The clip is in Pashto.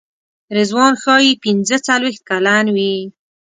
رضوان ښایي پنځه څلوېښت کلن وي.